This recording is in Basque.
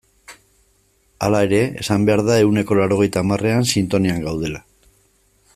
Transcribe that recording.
Hala ere, esan behar da ehuneko laurogeita hamarrean sintonian gaudela.